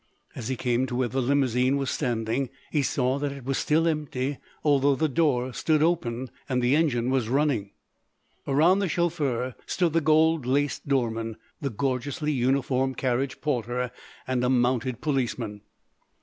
As he came to where the limousine was standing, he saw that it was still empty although the door stood open and the engine was running. Around the chauffeur stood the gold laced doorman, the gorgeously uniformed carriage porter and a mounted policeman.